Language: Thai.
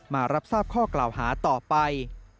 มารับทราบข้อกล่าวหาต่อไป